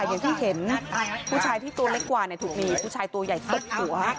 อย่างที่เห็นผู้ชายที่ตัวเล็กกว่าถูกมีผู้ชายตัวใหญ่ตบหัว